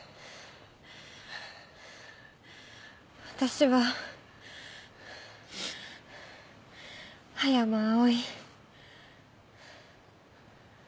私は葉山葵。